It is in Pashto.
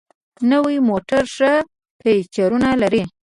نوي موټر ښه فیچرونه لري.